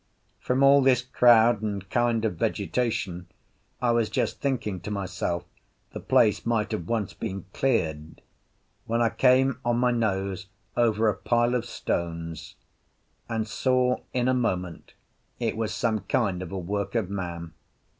From all this crowd and kind of vegetation, I was just thinking to myself, the place might have once been cleared, when I came on my nose over a pile of stones, and saw in a moment it was some kind of a work of man.